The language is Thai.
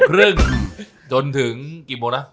ไปจนถึงกี่โมงนะ